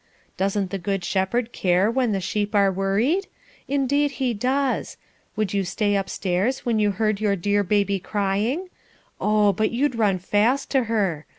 Doesn't the Good Shepherd care when the sheep are worried? Indeed he does. Would you stay up stairs when you heard your dear baby crying? Oh! but you'd run fast to her.